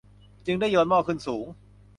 จึงได้โยนหม้อขึ้นสูง